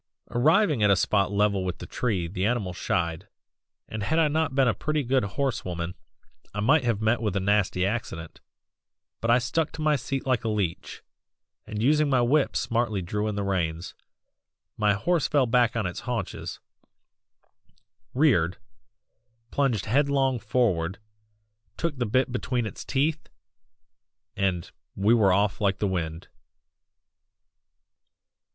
Arriving at a spot level with the tree the animal shied, and had I not been a pretty good horse woman I might have met with a nasty accident, but I stuck to my seat like a leech, and using my whip smartly drew in the reins. My horse fell back on its haunches; reared plunged headlong forward took the bit between its teeth and we were off like the wind.